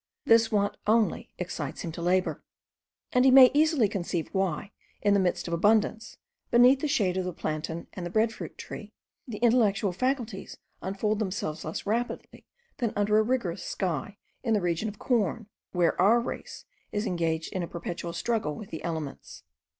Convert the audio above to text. This want only, excites him to labour; and we may easily conceive why, in the midst of abundance, beneath the shade of the plantain and bread fruit tree, the intellectual faculties unfold themselves less rapidly than under a rigorous sky, in the region of corn, where our race is engaged in a perpetual struggle with the elements.